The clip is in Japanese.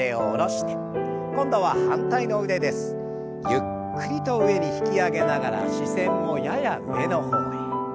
ゆっくりと上に引き上げながら視線もやや上の方へ。